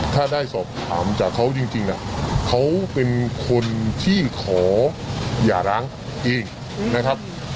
ถ้าได้สอบถามจากเขาจริงเขาเป็นคนที่ขออย่าร้างเองนะครับ